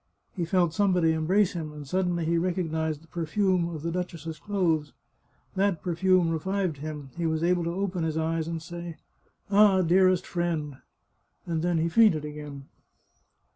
He felt somebody em brace him, and suddenly he recognised the perfume of the duchess's clothes. That perfume revived him ; he was able to open his eyes and say " Ah, dearest friend !" and then he fainted again.